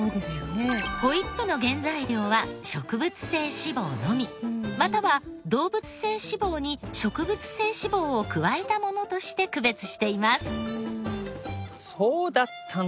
ホイップの原材料は植物性脂肪のみまたは動物性脂肪に植物性脂肪を加えたものとして区別しています。